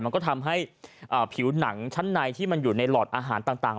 มันก็ทำให้ผิวหนังชั้นในที่มันอยู่ในหลอดอาหารต่าง